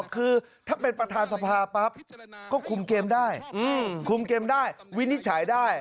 คือถ้าเป็นประธานสภาปั๊บก็คุมเกมได้คุมเกมได้วินิจฉัยได้